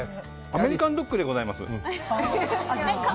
アメリカンドッグでございます。